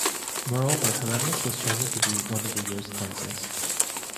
Moreover, Herennius was chosen to be one of the year's consuls.